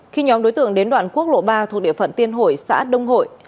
khi nhóm đối tượng đến đoạn quốc lộ ba thuộc địa phận tiên hội xã đông hội